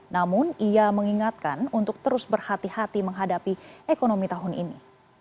namun ia mengingatkan untuk terus berhati hati menghadapi ekonomi tahun ini